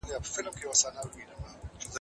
د تعلیم او د پوهني په زور کېږي.